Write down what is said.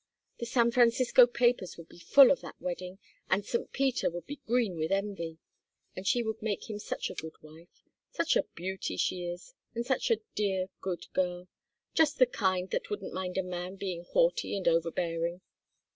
The San Francisco papers would be full of that wedding, and St. Peter would be green with envy. And she would make him such a good wife; such a beauty she is and such a dear good girl just the kind that wouldn't mind a man being haughty and overbearing.